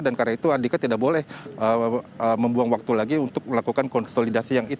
dan karena itu andika tidak boleh membuang waktu lagi untuk melakukan konsolidasi